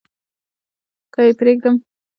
که يې پرېږدم .